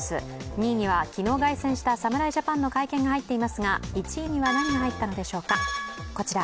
２位には昨日凱旋した侍ジャパンの会見が入っていますが１位には何が入ったのでしょうか。